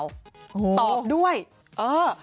โอ้โฮตอบด้วยเออ